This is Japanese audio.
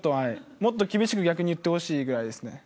もっと厳しく逆に言ってほしいぐらいですね。